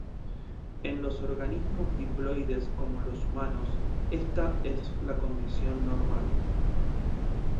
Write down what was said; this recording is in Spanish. En los organismos diploides como los humanos, esta es la condición normal.